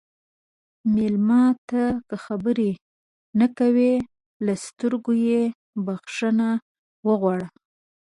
مېلمه ته که خبرې نه کوي، له سترګو یې بخښنه وغواړه.